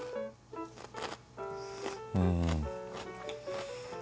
うん！